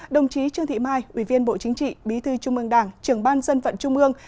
đồng chí trương thị mai ủy viên bộ chính trị bí thư trung ương đảng trưởng ban dân vận trung ương